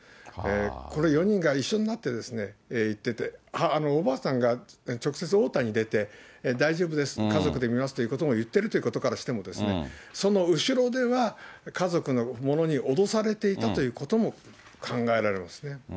これ、４人が一緒になっていってて、おばあさんが直接応対に出て、大丈夫です、家族で見ますということも言ってるということからしてもですね、その後ろでは、家族の者に脅されていたということも考えられるんですね。